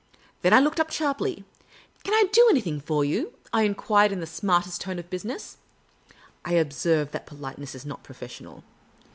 Then I looke ^ up sharply. "Can I do anything for you ?" I enquired, in the smartest tone of business. (I observe that politeness is not professional.)